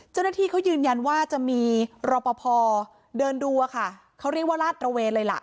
เจ้าหน้าที่เขายืนยันว่าจะมีรอปภเดินดูอะค่ะเขาเรียกว่าลาดระเวนเลยล่ะ